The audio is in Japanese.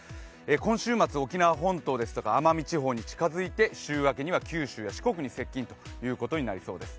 今週末、沖縄本島ですとか奄美地方に近づいて週明けには九州や四国に接近ということになりそうです。